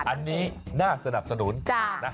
อันนี้น่าสนับสนุน